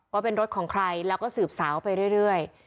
ว่าเป็นรถของใครแล้วก็สืบสาวไปเรื่อย